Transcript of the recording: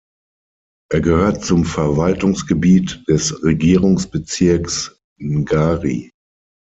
Er gehört zum Verwaltungsgebiet des Regierungsbezirks Ngari.